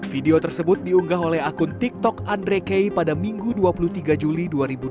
video tersebut diunggah oleh akun tiktok andre kay pada minggu dua puluh tiga juli dua ribu dua puluh